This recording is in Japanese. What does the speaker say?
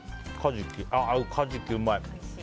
カジキ、うまい。